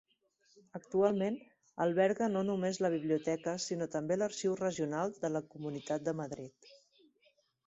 Actualment alberga no només la Biblioteca sinó també l'Arxiu Regional de la Comunitat de Madrid.